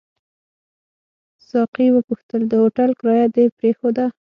ساقي وپوښتل: د هوټل کرایه دې پرېښوده؟